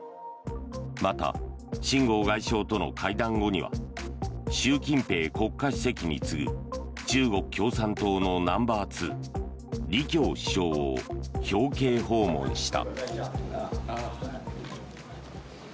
また、秦剛外相との会談後には習近平国家主席に次ぐ中国共産党のナンバーツー李強首相を表敬訪問した。